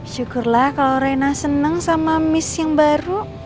syukurlah kalau reina senang sama miss yang baru